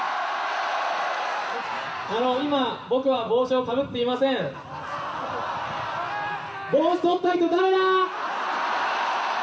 あの今僕は帽子をかぶっていません帽子取った人誰だ？